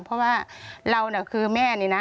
เพราะว่าเราน่ะคือแม่นี่นะ